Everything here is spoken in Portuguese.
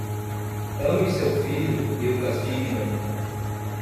Ame seu filho e o castigue bem.